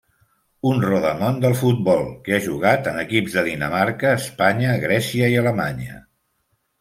Un rodamón del futbol que ha jugat en equips de Dinamarca, Espanya, Grècia i Alemanya.